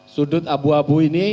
sudut abu abu ini